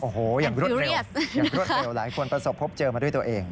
โอ้โหอย่างรถเร็วหลายคนประสบพบเจอมาด้วยตัวเอง